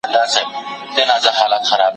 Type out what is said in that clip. دا لیکنه د یوې دقیقې څېړنې پر بنسټ چمتو شوې.